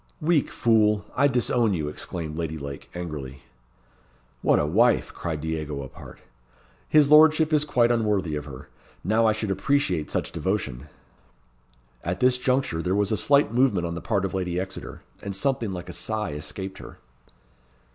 "Weak fool! I disown you," exclaimed Lady Lake, angrily. "What a wife!" cried Diego, apart. "His lordship is quite unworthy of her. Now I should appreciate such devotion." At this juncture there was a slight movement on the part of Lady Exeter, and something like a sigh escaped her.